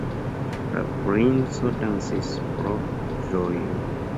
La princo dancis pro ĝojo.